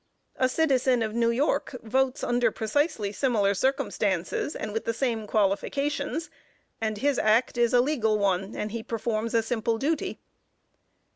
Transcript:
A citizen of New York votes under precisely similar circumstances, and with the same qualifications, and his act is a legal one, and he performs a simple duty.